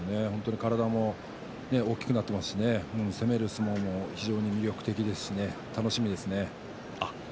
体も大きくなっていますし攻める相撲も非常に魅力的ですし楽しみですね。